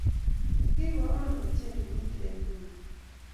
kigoamaa ochei kimitek eunyu